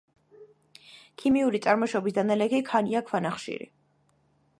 ქიმიური წარმოშობის დანალექი ქანია ქვანახშირი.